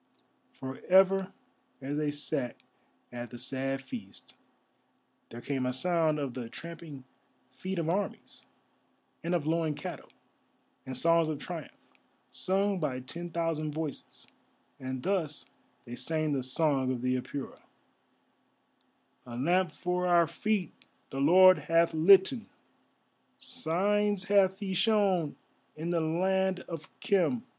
For ever as they sat at the sad feast there came a sound of the tramping feet of armies, and of lowing cattle, and songs of triumph, sung by ten thousand voices, and thus they sang the song of the Apura:— A lamp for our feet the Lord hath litten, Signs hath He shown in the Land of Khem.